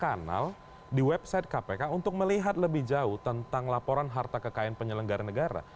kanal di website kpk untuk melihat lebih jauh tentang laporan harta kekayaan penyelenggara negara